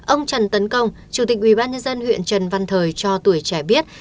ông trần tấn công chủ tịch ubnd huyện trần văn thời cho tuổi trẻ biết